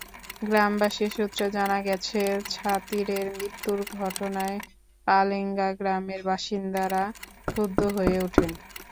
গ্রামবাসী সূত্রে জানা গেছে, ছাতিরের মৃত্যুর ঘটনায় কালেঙ্গা গ্রামের বাসিন্দারা ক্ষুব্ধ হয়ে ওঠেন।